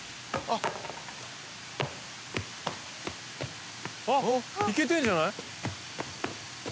あっいけてんじゃない？